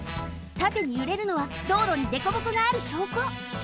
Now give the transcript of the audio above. たてにゆれるのは道路にでこぼこがあるしょうこ。